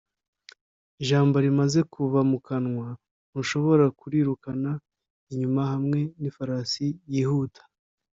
ijambo rimaze kuva mu kanwa, ntushobora kurirukana inyuma hamwe nifarasi yihuta